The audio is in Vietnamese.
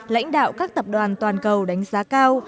lãnh đạo các tập đoàn toàn cầu đánh giá cao